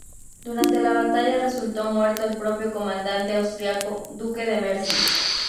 Durante la batalla resultó muerto el propio comandante austriaco, duque de Mercy.